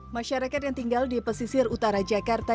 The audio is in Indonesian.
masyarakat yang tinggal di pesisir utara jakarta